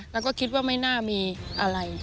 เราก็คิดว่าไม่หน้ามีอะไร